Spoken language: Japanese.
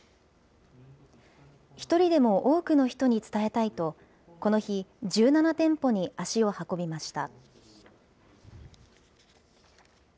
一人でも多くの人に伝えたいと、この日、１７店舗に足を運びました。